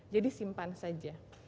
jadi simpan saja